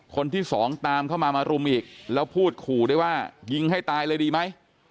คนที่สองตามเข้ามามารุมอีกแล้วพูดขู่ด้วยว่ายิงให้ตายเลยดีไหม